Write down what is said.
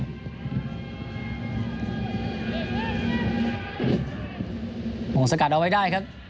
โอ้โหสกัดเอาไว้ได้ครับ